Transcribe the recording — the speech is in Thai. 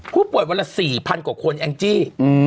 ผู้ป่วยวันละ๔๐๐๐กว่าคนแองจี้